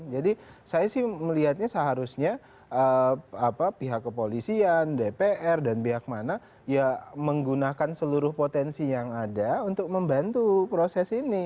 jadi saya sih melihatnya seharusnya pihak kepolisian dpr dan pihak mana ya menggunakan seluruh potensi yang ada untuk membantu proses ini